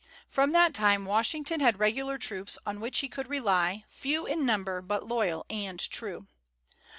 From that time Washington had regular troops, on which he could rely, few in number, but loyal and true.